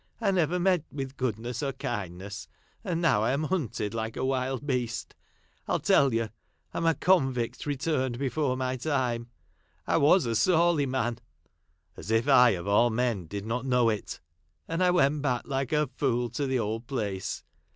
I never met with goodness or kindness ; and now I am hunted like a wild beast. I'lLtell you — I 'm a convict returned before my;time. <I was a Sawley man," (as if I,, of all men, did not know it! ) "and I went back like a fool to the old place.